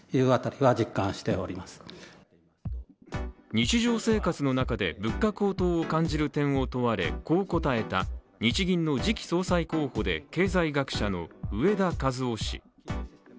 日常生活の中で物価高騰を感じる点を問われこう答えた日銀の次期総裁候補で経済学者の植田和男氏。